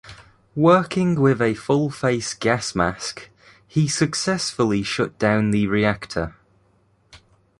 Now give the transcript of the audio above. Working with a full-face gas mask, he successfully shut down the reactor.